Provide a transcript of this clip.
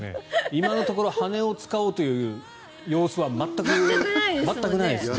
今のところ羽を使おうという様子は全くないですね。